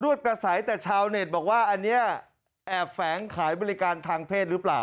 ด้วยกระแสแต่ชาวเน็ตบอกว่าอันนี้แอบแฝงขายบริการทางเพศหรือเปล่า